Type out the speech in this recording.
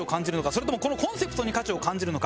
それともこのコンセプトに価値を感じるのか？